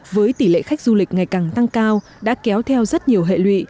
với tỷ lệ khách du lịch ngày càng tăng cao đã kéo theo rất nhiều hệ lụy